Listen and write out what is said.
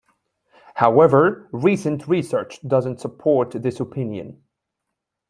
However, recent research does not support this opinion.